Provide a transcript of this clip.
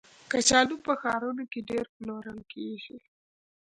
کچالو په ښارونو کې ډېر پلورل کېږي